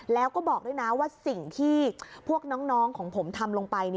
แล้วก็บอกด้วยนะว่าสิ่งที่พวกน้องของผมทำลงไป